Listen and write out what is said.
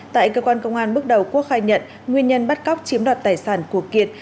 tại cơ quan công an bước đầu quốc khai nhận nguyên nhân bắt cóc chiếm đoạt tài sản của kiệt